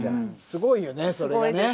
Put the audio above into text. すごいよねそれがね。